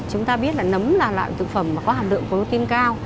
chúng ta biết là nấm là loại thực phẩm mà có hàm lượng protein cao